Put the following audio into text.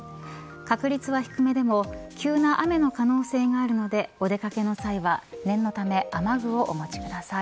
確率は低めでも急な雨の可能性があるのでお出掛けの際は念のため雨具をお持ちください。